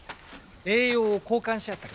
栄養を交換し合ったりね。